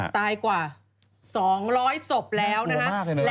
ตายกว่า๒๐๐ศพแล้วนะฮะ